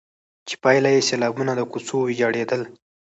چي پايله يې سيلابونه، د کوڅو ويجاړېدل،